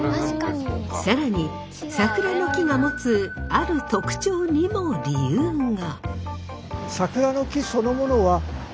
更に桜の木が持つある特徴にも理由が。